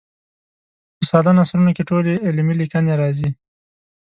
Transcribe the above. په ساده نثرونو کې ټولې علمي لیکنې راځي.